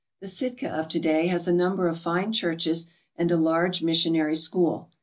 The Sitka of to day has a number of fine churches and a large missionary school.